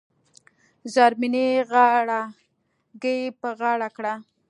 زرمینې غاړه ګۍ په غاړه کړه .